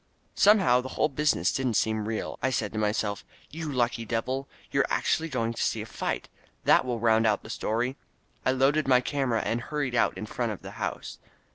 Somehow the whole business didn't seem real. I said to myself, "You lucky devil, you're actually going to see a fight. That will round out the story." I loaded my camera and hurried out in front of the house.